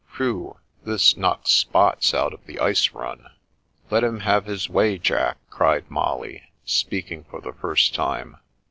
Whew, this knocks spots out of the Ice Run I "" Let him have his way, Jack," cried Molly, speaking for the first time.